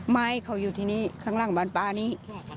ไม่เขาอยู่ที่นี่ข้างล่างบ้านป้านี้